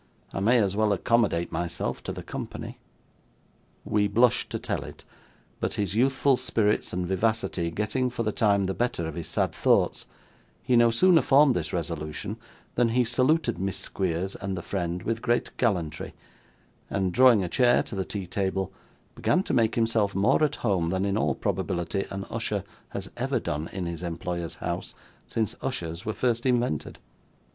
I may as well accommodate myself to the company.' We blush to tell it; but his youthful spirits and vivacity getting, for the time, the better of his sad thoughts, he no sooner formed this resolution than he saluted Miss Squeers and the friend with great gallantry, and drawing a chair to the tea table, began to make himself more at home than in all probability an usher has ever done in his employer's house since ushers were first invented.